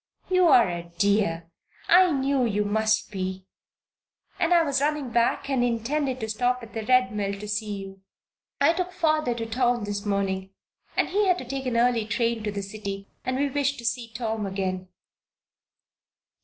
"You're a dear; I knew you must be! And I was running back and intended to stop at the Red Mill to see you. I took father to town this morning, as he had to take an early train to the city, and we wished to see Tom again."